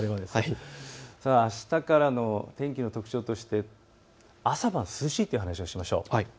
明日からの天気の特徴として朝晩涼しいという話をしましょう。